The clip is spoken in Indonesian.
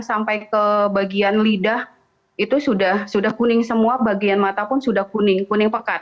sampai ke bagian lidah itu sudah kuning semua bagian mata pun sudah kuning kuning pekat